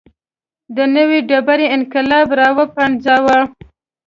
د نوې ډبرې انقلاب راوپنځاوه.